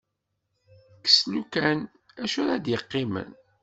Kkes "lukan", acu ara d-iqqimen.